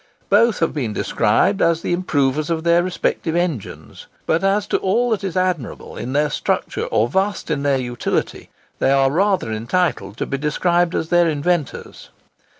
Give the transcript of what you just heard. Both have been described as the improvers of their respective engines; but, as to all that is admirable in their structure or vast in their utility, they are rather entitled to be described as their Inventors.